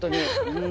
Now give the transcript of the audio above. うん。